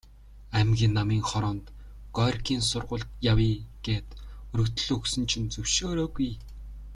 Аймгийн Намын хороонд Горькийн сургуульд явъя гээд өргөдөл өгсөн чинь зөвшөөрөөгүй.